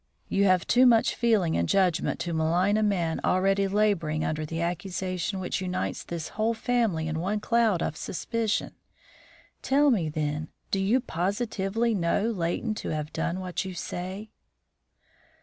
You have too much feeling and judgment to malign a man already labouring under the accusation which unites this whole family in one cloud of suspicion. Tell me, then, do you positively know Leighton to have done what you say?"